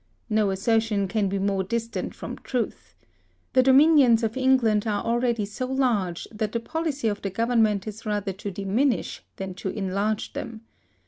No assertion can be more distant from truth. The dominions of England are already so large, that the policy of the government is rather to diminish than to enlarge them.